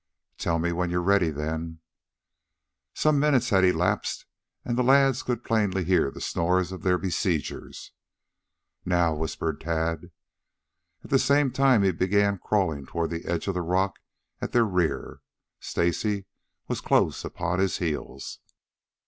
"Tell me when you're ready, then." Some minutes had elapsed and the lads could plainly hear the snores of their besiegers. "Now!" whispered Tad. At the same time he began crawling toward the edge of the rock at their rear. Stacy was close upon his heels.